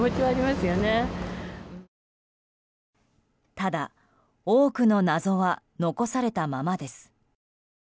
ただ、多くの謎は残されたままです。